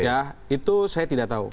ya itu saya tidak tahu